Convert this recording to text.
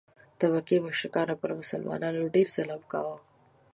د مکې مشرکانو پر مسلمانانو ډېر ظلم کاوه.